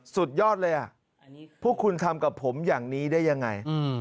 สุดยอดเลยพวกคุณทำกับผมอย่างนี้ได้ยังไง